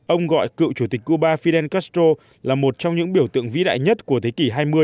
ông gọi cựu chủ tịch cuba fidel castro là một trong những biểu tượng vĩ đại nhất của thế kỷ hai mươi